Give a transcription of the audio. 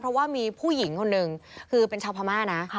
เพราะว่ามีผู้หญิงคนหนึ่งคือเป็นชาวพม่านะ